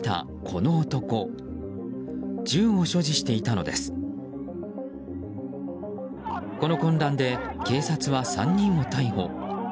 この混乱で警察は３人を逮捕。